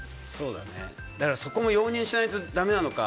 そこも容認しないとだめなのか。